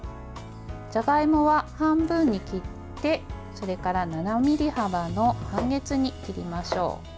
じゃがいもは半分に切って７ｍｍ幅の半月に切りましょう。